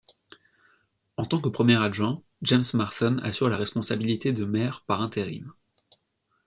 En tant que premier adjoint, James Marson assure la responsabilité de maire par intérim.